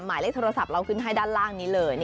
หมายเลขโทรศัพท์เราขึ้นให้ด้านล่างนี้เลย